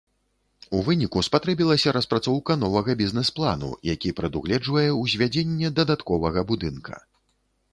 У выніку спатрэбілася распрацоўка новага бізнэс-плану, які прадугледжвае ўзвядзенне дадатковага будынка.